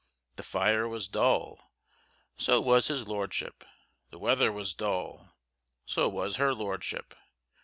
The fire was dull, so was his Lordship; the weather was dull, so was her Ladyship.